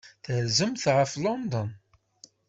Terzamt ɣef London.